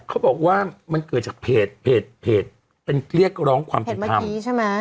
เขาบอกว่ามันเกิดจากเพจเป็นเรียกร้องความเห็นเมื่อกี้ใช่ไหม